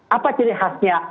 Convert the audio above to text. apa ciri khasnya